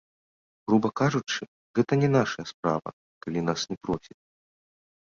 Груба кажучы, гэта не нашая справа, калі нас не просяць.